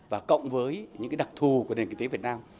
và cộng với những đặc thù của nền kinh tế việt nam